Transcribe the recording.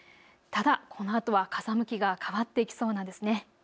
ただ、このあとは風向きが変わってきそうなんですね。